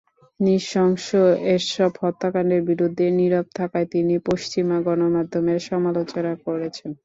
নৃশংস এসব হত্যাকাণ্ডের বিরুদ্ধে নীরব থাকায় তিনি পশ্চিমা গণমাধ্যমের সমালোচনা করেছেন।